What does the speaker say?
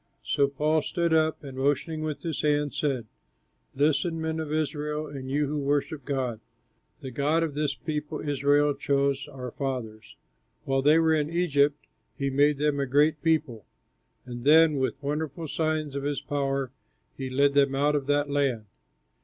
So Paul stood up and motioning with his hand said, "Listen, men of Israel and you who worship God. The God of this people Israel chose our fathers. While they were in Egypt he made them a great people, and then with wonderful signs of his power he led them out of that land.